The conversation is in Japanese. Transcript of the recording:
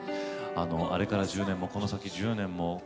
「あれから１０年もこの先１０年も」